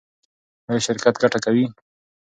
ایا شرکت ګټه کوي؟